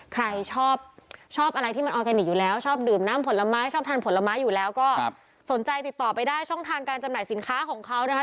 ใครชอบชอบอะไรที่มันออร์แกนิคอยู่แล้วชอบดื่มน้ำผลไม้ชอบทานผลไม้อยู่แล้วก็สนใจติดต่อไปได้ช่องทางการจำหน่ายสินค้าของเขานะคะ